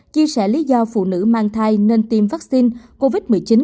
chia sẻ lý do phụ nữ mang thai nên tiêm vaccine covid một mươi chín